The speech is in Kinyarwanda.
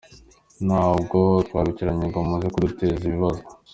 Ntabwo twabakiriye ngo muze kuduteza ibibazo.